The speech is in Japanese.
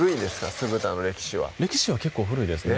酢豚の歴史は歴史は結構古いですね